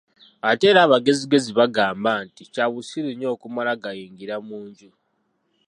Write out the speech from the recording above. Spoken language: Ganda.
Ate era abagezigezi bagamba nti, kya busiriu nnyo okumala gayingira mu nju.